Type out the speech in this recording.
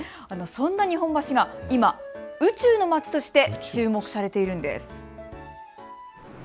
そんな日本橋が今、宇宙のまちとして注目されているんです。